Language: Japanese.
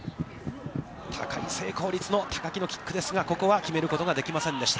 高い成功率の高木のキックですが、ここは決めることができませんでした。